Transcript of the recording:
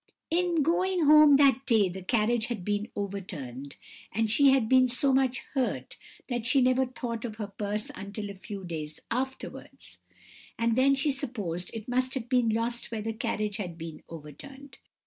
"In going home that day the carriage had been overturned, and she had been so much hurt that she never thought of her purse until a few days afterwards, and then she supposed that it must have been lost where the carriage had been overturned.